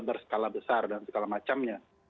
berskala besar dan segala macamnya